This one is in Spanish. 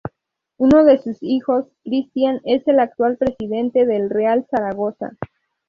Uno de sus hijos, Christian, es el actual presidente del Real Zaragoza.